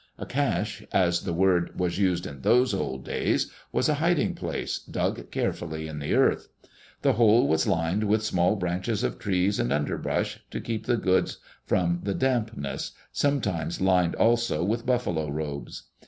A cache, as the word was used in those old days, was a hiding place dug carefully in the earth. The hole was lined with small branches of trees and underbrush, to keep the goods from the dampness, sometimes lined also with buffalo robes.